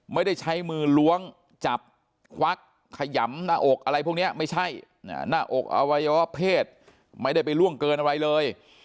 ไม่ได้ใช้มือล้วงจับควักขยำหน้าอกอะไรพวกนี้ไม่ใช่หน้าอกอวัยวะเพศไม่ได้ไปล่วงเกินอะไรเลย